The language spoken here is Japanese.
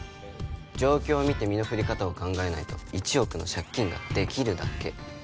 状況を見て身の振り方を考えないと１億の借金ができるだけ。